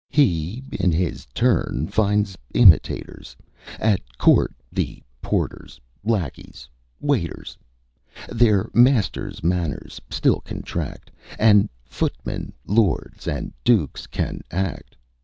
He, in his turn, finds imitators, At court the porters, lacqueys, waiters Their masters' manners still contract, And footmen, lords, and dukes can act.